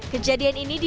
kejadian ini diduga